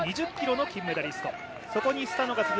北京の２０ｋｍの金メダリスト。